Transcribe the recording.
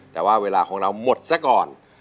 แต่ว่าเวลาของเราหมดซะก่อน